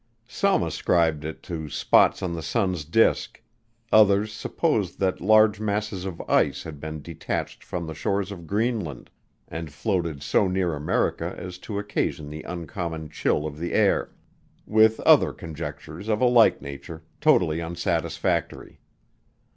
Some ascribed it to spots on the sun's disc; others supposed that large masses of ice had been detached from the shores of Greenland, and floated so near America as to occasion the uncommon chill of the air, with other conjectures of a like nature, totally unsatisfactory.